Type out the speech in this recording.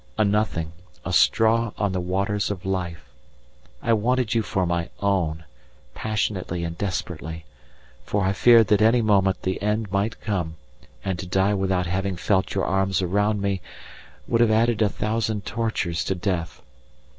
A nothing, a straw on the waters of life. I wanted you for my own, passionately and desperately, for I feared that any moment the end might come, and to die without having felt your arms around me would have added a thousand tortures to death.